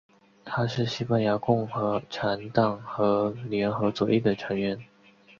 他是西班牙共产党和联合左翼的成员。